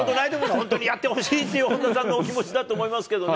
本当にやってほしいっていう、本田さんのお気持ちだと思いますけどね。